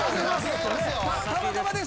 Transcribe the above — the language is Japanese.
たまたまです。